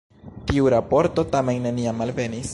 Tiu raporto tamen neniam alvenis.